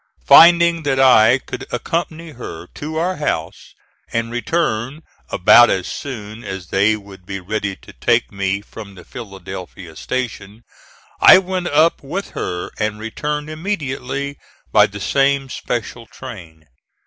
Finding that I could accompany her to our house and return about as soon as they would be ready to take me from the Philadelphia station, I went up with her and returned immediately by the same special train.